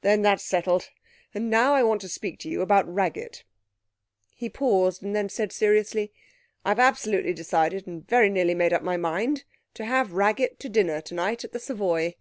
'Then that's settled. And now I want to speak to you about Raggett.' He paused, and then said seriously, 'I've absolutely decided and very nearly made up my mind to have Raggett to dinner tonight at the Savoy.'